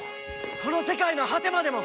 この世界の果てまでも！